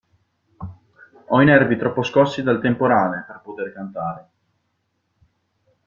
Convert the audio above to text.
Ho i nervi troppo scossi dal temporale, per poter cantare.